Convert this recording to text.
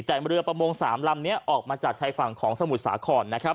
แต่เมื่อเรือประมงสามลำนี้ออกมาจากชายฝั่งของสมุทรสาคอน